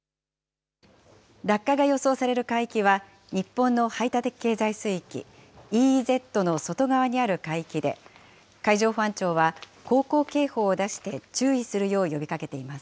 落下が予想される海域は、日本の排他的経済水域・ＥＥＺの外側にある海域で、海上保安庁は航行警報を出して注意するよう呼びかけています。